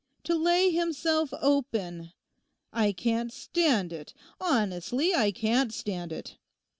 To lay himself open! I can't stand it—honestly, I can't stand it.